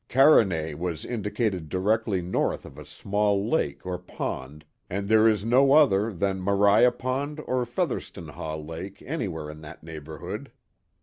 Carenay was indicated directly north of a small lake or pond, and there is no other than Maria Pond or Featherstonhaugh Lake anywhere in that neighborhood."